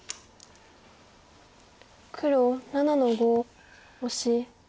黒７の五オシ。